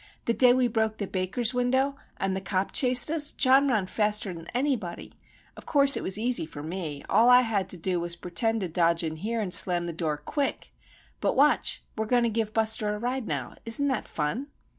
"The day we broke the baker's window, an' the cop chased us, John ran faster than anybody. Of course, it was easy for me. All I had to do was to pertend to dodge in here and slam the door quick!... But watch! we're going to give Buster a ride, now. Isn't that fun?"